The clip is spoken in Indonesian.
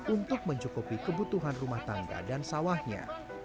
untuk mencukupi kebutuhan rumah tangga dan sawahnya